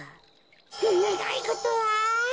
ねがいごとは？